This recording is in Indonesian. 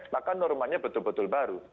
maka normanya betul betul baru